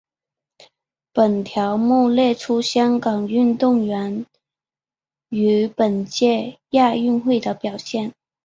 本条目列出香港运动员于本届亚运会的表现。